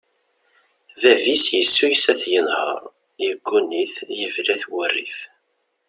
Bab-is yessuyes ad t-yenher, yegguni-t, yebla-t wurrif.